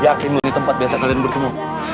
yakinlah ini tempat biasa kalian bertemu